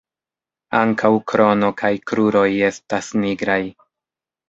Ankaŭ krono kaj kruroj estas nigraj.